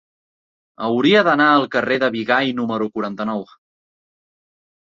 Hauria d'anar al carrer de Bigai número quaranta-nou.